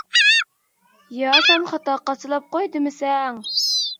يا سەن خاتا قاچىلاپ قوي دېمىسەڭ.